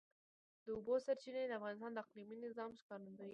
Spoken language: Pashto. د اوبو سرچینې د افغانستان د اقلیمي نظام ښکارندوی ده.